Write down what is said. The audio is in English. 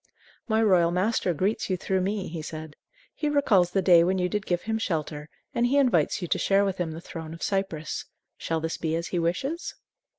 "My royal master greets you through me," he said. "He recalls the day when you did give him shelter, and he invites you to share with him the throne of Cyprus. Shall this be as he wishes?"